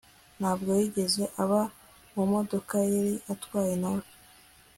ntabwo yigeze aba mu modoka yari atwawe na we